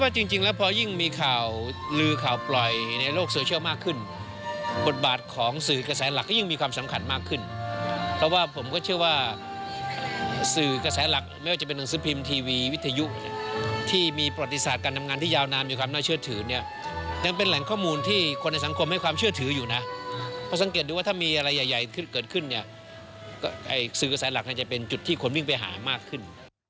สังเกตดูว่าถ้ามีอะไรใหญ่เกิดขึ้นเนี่ยก็สื่อสารหลักน่าจะเป็นจุดที่คนวิ่งไปหามากขึ้น